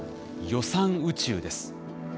予算宇宙です。